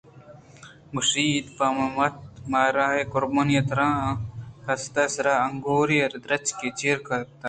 کشّیت پہ وتءَ راہے قُربان ترّان ءَپسے ءِ سر انگُوری درٛچکےءِ چیرا کپت